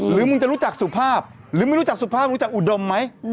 มึงจะรู้จักสุภาพหรือไม่รู้จักสุภาพรู้จักอุดมไหม